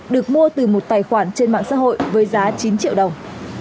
được mua từ một tài khoản trên mạng xã hội với giá chín triệu đồng